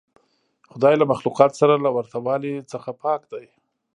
خدای له مخلوقاتو سره له ورته والي څخه پاک دی.